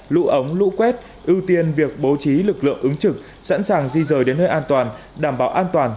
lũ ống lũ quét ưu tiên việc bố trí lực lượng ứng trực sẵn sàng di rời đến nơi an toàn đảm bảo an toàn